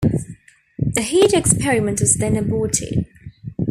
The heat experiment was then aborted.